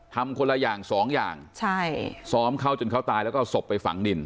ทำคนละอย่างสองอย่างใช่ซ้อมเขาจนเขาตายแล้วก็เอาศพไปฝังดิน